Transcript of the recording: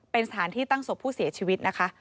เป็นสถานที่ตั้งศพผู้เสียชีวิตนะคะ